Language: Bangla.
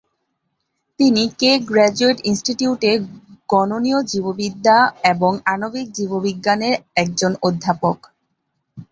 তিনি কেক গ্র্যাজুয়েট ইনস্টিটিউটে গণনীয় জীববিদ্যা এবং আণবিক জীববিজ্ঞানের একজন অধ্যাপক।